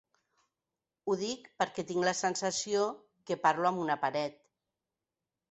Ho dic perquè tinc la sensació que parlo amb una paret.